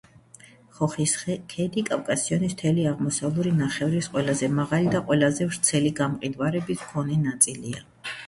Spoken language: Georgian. ხოხის ქედი კავკასიონის მთელი აღმოსავლური ნახევრის ყველაზე მაღალი და ყველაზე ვრცელი გამყინვარების მქონე ნაწილია.